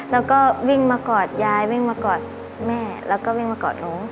แล้วก็วิ่งมากอดยายวิ่งมากอดแม่แล้วก็วิ่งมากอดหนู